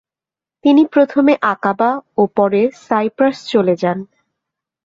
তিনি প্রথমে আকাবা ও পরে সাইপ্রাস চলে যান।